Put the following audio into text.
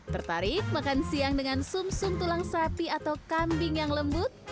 tertarik makan siang dengan sum sum tulang sapi atau kambing yang lembut